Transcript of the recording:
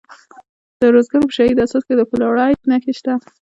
د ارزګان په شهید حساس کې د فلورایټ نښې شته.